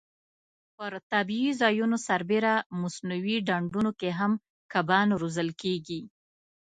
پر طبیعي ځایونو سربېره مصنوعي ډنډونو کې هم کبان روزل کېږي.